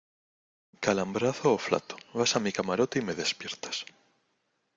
calambrazo o flato. vas a mi camarote y me despiertas .